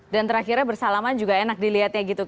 dan terakhirnya bersalaman juga enak dilihatnya gitu